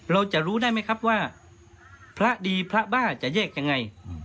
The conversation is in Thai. เราจะรู้ได้ไหมครับว่าพระดีพระบ้าจะแยกยังไง